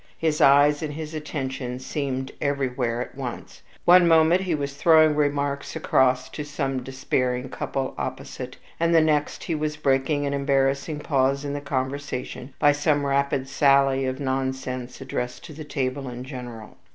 His eyes and his attention seemed everywhere at once: one moment he was throwing remarks across to some despairing couple opposite, and the next he was breaking an embarrassing pause in the conversation by some rapid sally of nonsense addressed to the table in general.